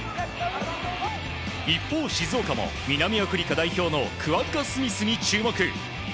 一方、静岡も南アフリカ代表のクワッガ・スミスに注目。